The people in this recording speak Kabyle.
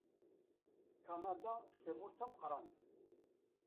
Kanada d tamurt tameqqrant.